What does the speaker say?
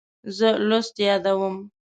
زه لوست یادوم.